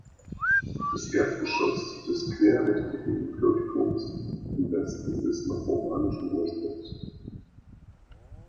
Das Erdgeschoss des querrechteckigen Kirchturms im Westen ist noch romanischen Ursprungs.